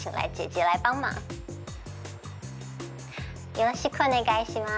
よろしくお願いします。